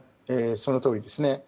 そのとおりですね。